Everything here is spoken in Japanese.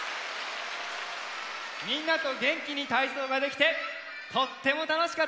みんなとげんきにたいそうができてとってもたのしかったです。